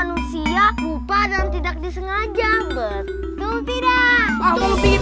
udah ikut aja udah